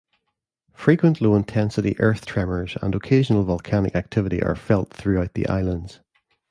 Frequent low intensity earth tremors and occasional volcanic activity are felt throughout the islands.